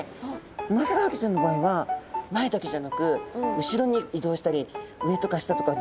ウマヅラハギちゃんの場合は前だけじゃなく後ろに移動したり上とか下とか自在な泳ぎができるんですね。